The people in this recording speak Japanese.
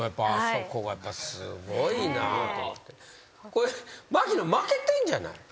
これ槙野負けてんじゃない？